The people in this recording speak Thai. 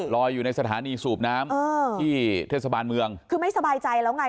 อยู่ในสถานีสูบน้ำที่เทศบาลเมืองคือไม่สบายใจแล้วไง